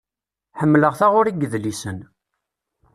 Ḥemmleɣ taɣuri n yedlisen.